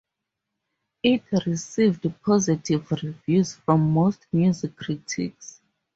It received positive reviews from most music critics.